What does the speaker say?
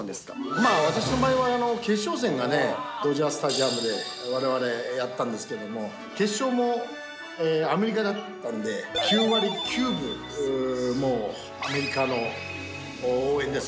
まあ、私の場合は決勝戦がドジャースタジアムでわれわれやったんですけれども、決勝もアメリカだったんで、９割９分、もうアメリカの応援です。